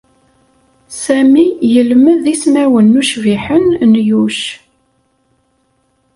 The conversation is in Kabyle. Sami yelmed ismawen ucbiḥen n Yuc.